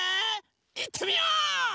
いってみよう！